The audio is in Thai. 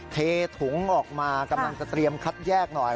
เทถุงออกมากำลังจะเตรียมคัดแยกหน่อย